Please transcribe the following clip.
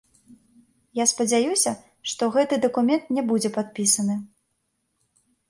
Я спадзяюся, што гэты дакумент не будзе падпісаны.